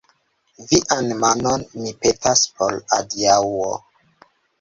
Vian manon, mi petas, por adiaŭo.